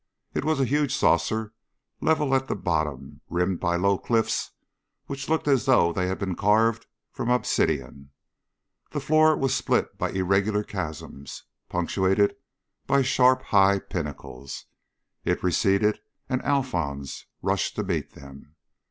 It was a huge saucer, level at the bottom, rimmed by low cliffs which looked as though they had been carved from obsidian. The floor was split by irregular chasms, punctuated by sharp high pinnacles. It receded and Alphons rushed to meet them.